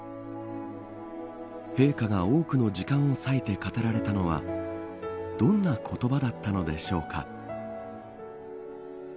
陛下が多くの時間を割いて語られたのはどんな言葉だったのでしょうか。